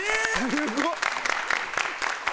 すごっ！